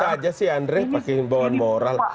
aja sih andri pakai imbauan moral